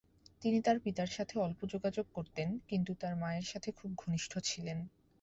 তিনি তার পিতার সাথে অল্প যোগাযোগ করতেন, কিন্তু তার মায়ের সাথে খুব ঘনিষ্ঠ ছিলেন।